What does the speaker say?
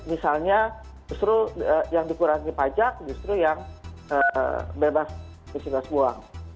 misalnya justru yang dikurangi pajak justru yang bebas di situ gas buang